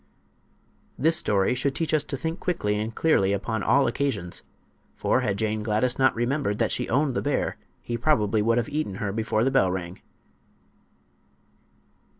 This story should teach us to think quickly and clearly upon all occasions; for had Jane Gladys not remembered that she owned the bear he probably would have eaten her before the bell rang.